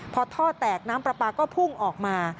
พอท่อแตกน้ำปลาปลาก็พุ่งออกมา